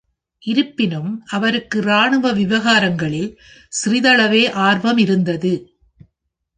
இருப்பினும், அவருக்கு இராணுவ விவகாரங்களில் சிறிதளவே ஆர்வம் இருந்தது.